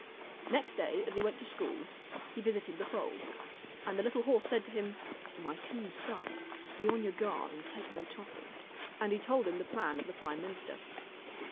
Next day as he went to school he visited the foal. And the little horse said to him :' My king's son, be on your guard, and take no toffee,' and he told him the plan of the prime minister.